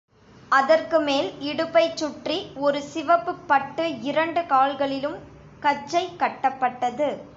அதற்குமேல் இடுப்பைச் சுற்றி ஒரு சிவப்புப் பட்டு இரண்டு கால்களிலும் கஜ்ஜை கட்டப்பட்டது.